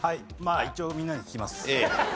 一応みんなに聞きます。